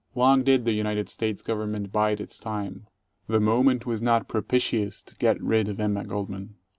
Long did the United States Government bide its time. The moment was not propitious to get rid of Emma Goldman.